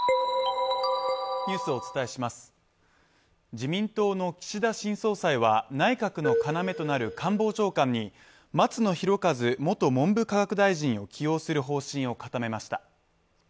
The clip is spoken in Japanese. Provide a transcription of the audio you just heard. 自民党の岸田新総裁は内閣の要となる官房長官に松野博一元文部科学大臣を起用する方針を固めました。